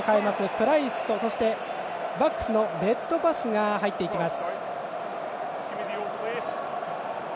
プライスとバックスのレッドパスが入っていきます。